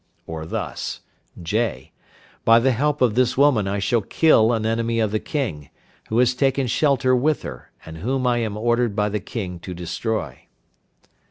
Or thus: (j). By the help of this woman I shall kill an enemy of the king, who has taken shelter with her, and whom I am ordered by the king to destroy.